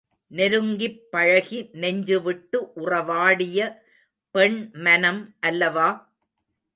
நெருங்கிப் பழகி நெஞ்சுவிட்டு உறவாடிய பெண் மனம் அல்லவா?